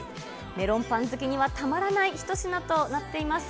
メロンパン好きにはたまらない一品となっています。